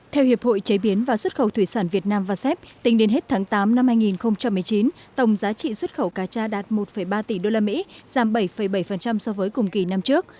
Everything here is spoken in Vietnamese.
theo hiệp hội chế biến và xuất khẩu thủy sản việt nam vasep tính đến hết tháng tám năm hai nghìn một mươi chín tổng giá trị xuất khẩu cà cha đạt một ba tỷ usd giảm bảy bảy so với cùng kỳ năm trước